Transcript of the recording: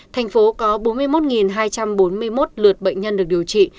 thành phố có bốn mươi một hai trăm bốn mươi một lượt bệnh nhân được điều trị